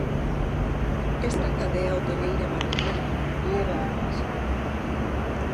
Esta cadea hoteleira madrileña leva vantaxe.